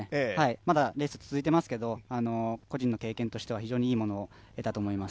まだレース続いてますけど、個人の経験としては非常にいいものを得たと思います。